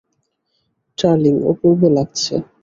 Darling, অপূর্ব লাগছে।